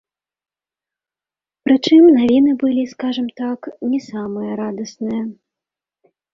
Прычым навіны былі, скажам так, не самыя радасныя.